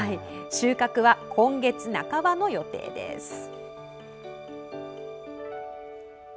収穫は今月半ばの予定です。